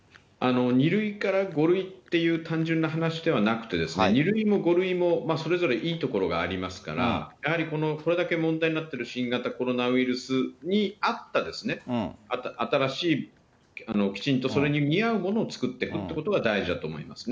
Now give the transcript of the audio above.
２類から５類という単純な話ではなくてですね、２類も５類もそれぞれいいところがありますから、やはりこの、これだけ問題になっている新型コロナウイルスに合った新しい、きちんとそれに見合うものを作っていくということが大事だと思いますね。